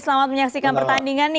selamat menyaksikan pertandingan